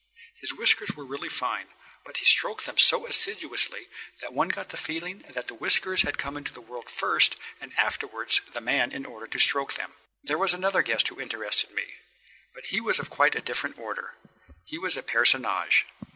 His whiskers were really fine, but he stroked them so assiduously that one got the feeling that the whiskers had come into the world first and afterwards the man in order to stroke them. There was another guest who interested me. But he was of quite a different order. He was a personage.